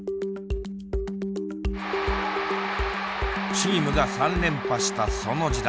チームが３連覇したその時代